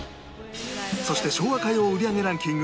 そして「昭和歌謡売り上げランキング